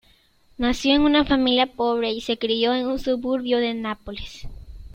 Nació en una familia pobre y se crio en un suburbio de Nápoles.